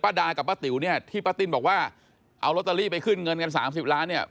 ดากับป้าติ๋วเนี่ยที่ป้าติ้นบอกว่าเอาลอตเตอรี่ไปขึ้นเงินกันสามสิบล้านเนี่ย